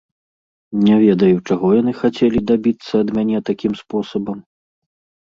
Не ведаю, чаго яны хацелі дабіцца ад мяне такім спосабам.